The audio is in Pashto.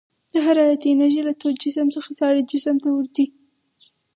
د حرارتي انرژي له تود جسم څخه ساړه جسم ته ورځي.